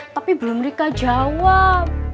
tapi belum rika jawab